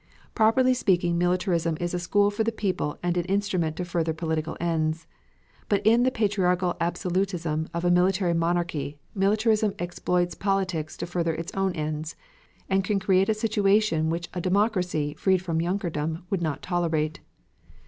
Properly speaking militarism is a school for the people and an instrument to further political ends. But in the patriarchal absolutism of a military monarchy, militarism exploits politics to further its own ends, and can create a situation which a democracy freed from junkerdom would not tolerate.